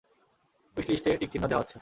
Wish লিস্টে tick চিহ্ন দেয়া হচ্ছে।